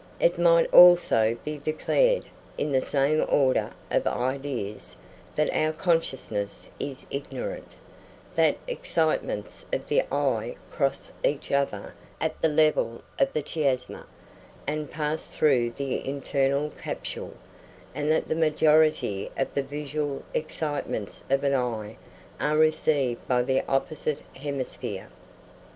It might also be declared, in the same order of ideas, that our consciousness is ignorant, that excitements of the eye cross each other at the level of the chiasma, and pass through the internal capsule, and that the majority of the visual excitements of an eye are received by the opposite hemisphere.